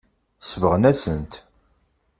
Sebɣen-asen-t.